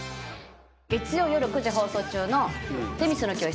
月曜夜９時放送中の『女神の教室』